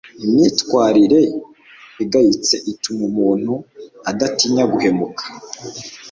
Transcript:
Imyitwarire igayitse ituma umuntu adatinya guhemuka,